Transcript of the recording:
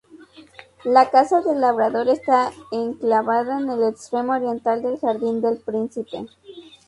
La Casa del Labrador está enclavada en el extremo oriental del Jardín del Príncipe.